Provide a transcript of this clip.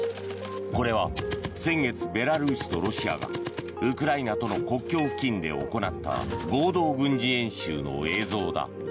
これは先月ベラルーシとロシアがウクライナとの国境付近で行った合同軍事演習の映像だ。